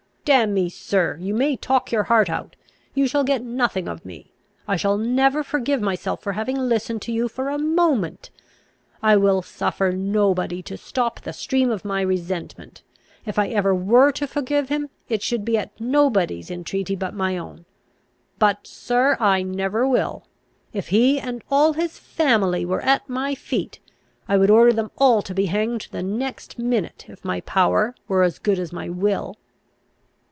"Damn me, sir, but you may talk your heart out; you shall get nothing of me. I shall never forgive myself for having listened to you for a moment. I will suffer nobody to stop the stream of my resentment; if I ever were to forgive him, it should be at nobody's, entreaty but my own. But, sir, I never will. If he and all his family were at my feet, I would order them all to be hanged the next minute, if my power were as good as my will."